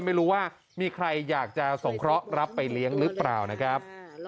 ไม่รู้ว่ามีใครอยากจะสงเคราะห์รับไปเลี้ยงหรือเปล่านะครับ